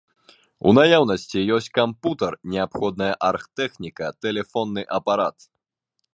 У наяўнасці ёсць кампутар, неабходная аргтэхніка, тэлефонны апарат.